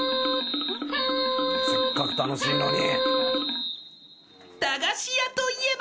せっかく楽しいのに。